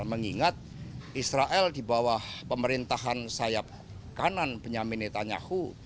mengingat israel di bawah pemerintahan sayap kanan benyamin netanyahu